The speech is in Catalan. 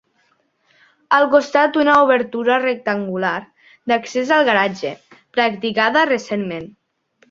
Al costat una obertura rectangular, d'accés al garatge, practicada recentment.